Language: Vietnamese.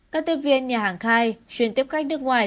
các tiếp viên nhà hàng khai chuyên tiếp khách nước ngoài